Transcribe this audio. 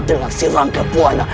dengan si rangka buana